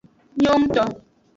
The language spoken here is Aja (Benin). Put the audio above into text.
Miwongto.